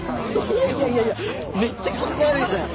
いやいやいやめっちゃカッコ悪いじゃん。